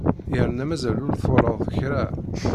Yerna mazal ur twalaḍ kra!